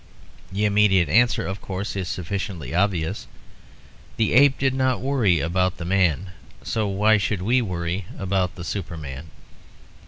The immediate answer, of course, is sufficiently obvious: the ape did not worry about the man, so why should we worry about the Superman?